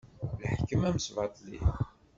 Leḥkem amesbaṭli.